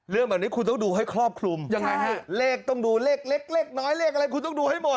เรื่องแบบนี้คุณต้องดูให้ครอบคลุมยังไงฮะเลขต้องดูเลขเล็กน้อยเลขอะไรคุณต้องดูให้หมด